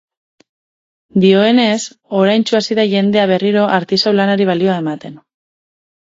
Dioenez, oraintsu hasi da jendea berriro artisau lanari balioa ematen.